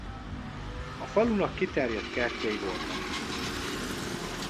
A falunak kiterjedt kertjei voltak.